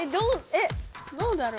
えっどうだろ。